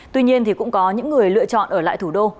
tuy nhiên thì cũng có những người lựa chọn ở lại thủ đô